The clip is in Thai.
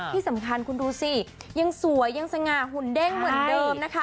ที่สำคัญคุณดูสิยังสวยยังสง่าหุ่นเด้งเหมือนเดิมนะคะ